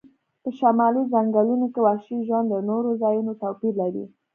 په شمالي ځنګلونو کې وحشي ژوند له نورو ځایونو توپیر لري